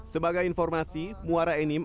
sebagai informasi muara enim